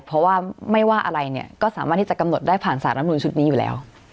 เพราะว่าไม่ว่าอะไรเนี่ยก็สามารถที่จะกำหนดได้ผ่านสารรับนูนชุดนี้อยู่แล้ว